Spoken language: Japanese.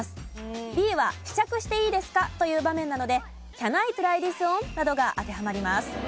Ｂは「試着していいですか？」という場面なので「ＣａｎＩｔｒｙｔｈｉｓｏｎ？」などが当てはまります。